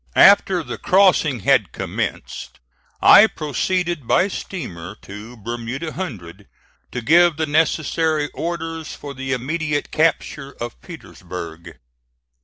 After the crossing had commenced, I proceeded by steamer to Bermuda Hundred to give the necessary orders for the immediate capture of Petersburg.